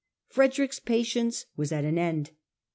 Frederick's patience was at an end.